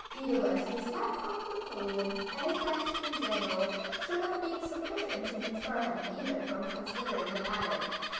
Beethoven's dislike of Napoleon, and the French in general, should have been sufficient to deter him even from considering the matter.